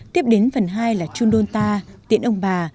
tiếp đến phần hai là chundonta tiễn ông bà